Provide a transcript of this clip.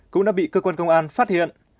cũng đã bị cơ quan công an phát hiện